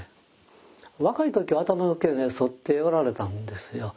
若い時は頭の毛剃っておられたんですよ。